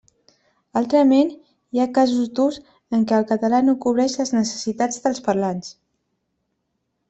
Altrament, hi ha casos d'ús en què el català no cobreix les necessitats dels parlants.